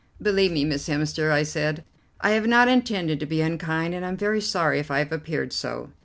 "Believe me, Miss Hemster," I said, "I have not intended to be unkind, and I am very sorry if I have appeared so.